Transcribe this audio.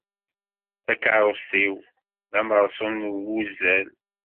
Takeṛṛust-iw d ameṛsul n wuzzal.